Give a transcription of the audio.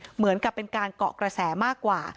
เหมือนกับเป็นการเกาะกระแสมากกว่า